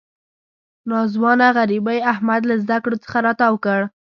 ناځوانه غریبۍ احمد له زده کړو څخه را تاو کړ.